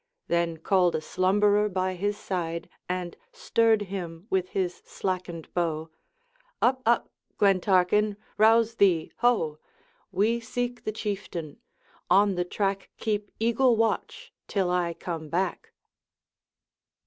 Then called a slumberer by his side, And stirred him with his slackened bow, 'Up, up, Glentarkin! rouse thee, ho! We seek the Chieftain; on the track Keep eagle watch till I come back.'